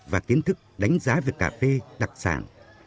và kiến thức đánh giá về cà phê đặc sản